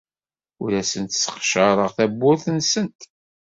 Ur asent-sseqcareɣ tawwurt-nsent.